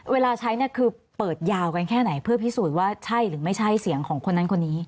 เวลาใช้เนี่ยคือเปิดยาวกันแค่ไหนเพื่อพิสูจน์ว่าใช่หรือไม่ใช่เสียงของคนนั้นคนนี้